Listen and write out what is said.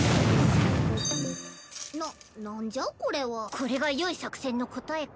これが良い作戦の答えか？